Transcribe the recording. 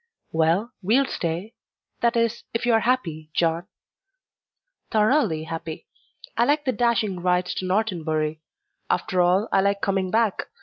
"Well, we'll stay that is, if you are happy, John." "Thoroughly happy; I like the dashing rides to Norton Bury. Above all, I like coming back.